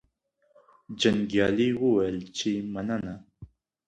جنګیالي وویل چې مننه.